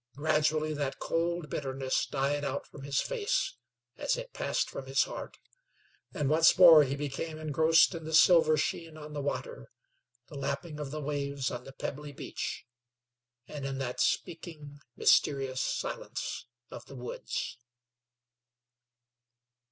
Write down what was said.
Gradually that cold bitterness died out from his face, as it passed from his heart, and once more he became engrossed in the silver sheen on the water, the lapping of the waves on the pebbly beach, and in that speaking, mysterious silence of the woods.